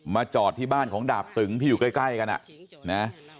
จอดที่บ้านของดาบตึงที่อยู่ใกล้กันอ่ะนะ